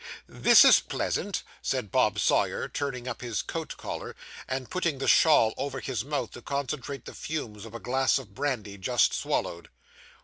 'This is pleasant,' said Bob Sawyer, turning up his coat collar, and pulling the shawl over his mouth to concentrate the fumes of a glass of brandy just swallowed.